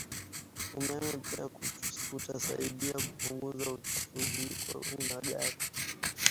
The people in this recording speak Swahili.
umeme pia kutasaidia kupunguza uchafuziikiwa una gari